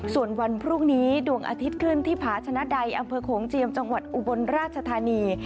ส่วนวันพรุ่งนี้ดวงอาทิตย์ขึ้นที่ผาชนะใดอำเภอโขงเจียมจังหวัดอุบลราชธานี